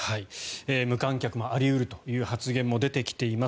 無観客もあり得るという発言も出てきています。